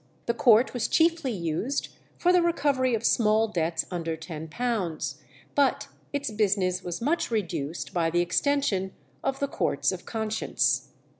The court was chiefly used for the recovery of small debts under £10, but its business was much reduced by the extension of the Courts of Conscience.